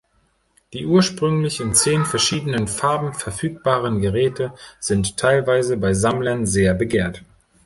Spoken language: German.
Die ursprünglich in zehn verschiedenen Farben verfügbaren Geräte sind teilweise bei Sammlern sehr begehrt.